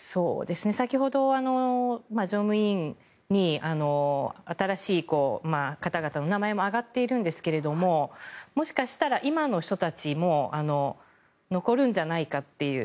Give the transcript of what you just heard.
先ほど、常務委員に新しい方々の名前も挙がっているんですがもしかしたら今の人たちも残るんじゃないかっていう。